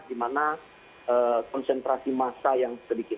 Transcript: di mana konsentrasi massa yang sedikit